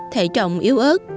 thầy trọng yếu ớt